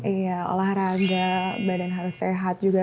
iya olahraga badan harus sehat juga